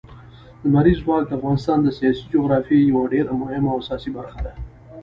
لمریز ځواک د افغانستان د سیاسي جغرافیې یوه ډېره مهمه او اساسي برخه ده.